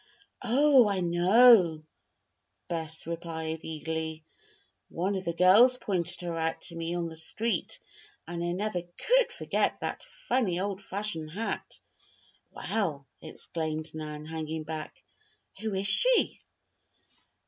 "Oh! I know," Bess replied eagerly. "One of the girls pointed her out to me on the street and I never could forget that funny, old fashioned hat." "Well!" exclaimed Nan, hanging back, "who is she?"